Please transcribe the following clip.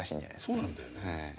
そうなんだよね。